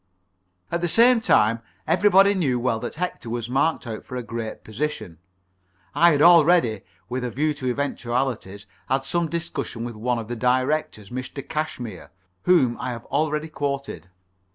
At the same time, everybody knew well that Hector was marked out for a great position. I had already, with a view to eventualities, had some discussion with one of the Directors, Mr. Cashmere, whom I have already quoted.